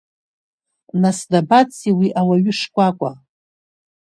Нас дабацеи уи ауаҩы шкәакәа?